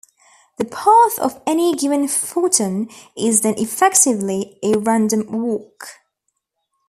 The path of any given photon is then effectively a random walk.